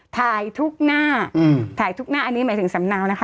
ถ่ายทุกหน้าถ่ายทุกหน้าอันนี้หมายถึงสำเนานะคะ